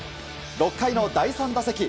６回の第３打席。